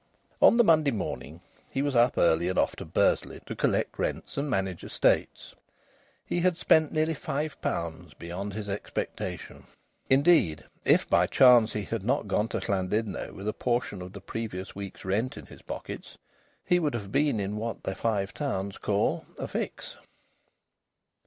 On the Monday morning he was up early and off to Bursley to collect rents and manage estates. He had spent nearly five pounds beyond his expectation. Indeed, if by chance he had not gone to Llandudno with a portion of the previous week's rents in his pockets, he would have been in what the Five Towns call a fix.